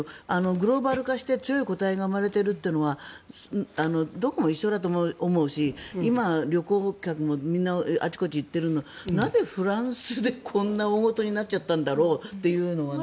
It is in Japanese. グローバル化して強い個体が生まれてるっていうのはどこも一緒だと思うし今、旅行客もみんなあちこち行ってるのになぜフランスでこんな大ごとになっちゃったんだろうっていうのはね。